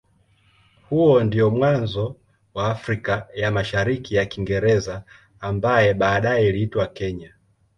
Huo ndio mwanzo wa Afrika ya Mashariki ya Kiingereza ambaye baadaye iliitwa Kenya.